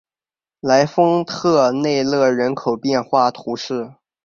莱丰特内勒人口变化图示